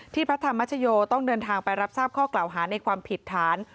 พระธรรมชโยต้องเดินทางไปรับทราบข้อกล่าวหาในความผิดฐาน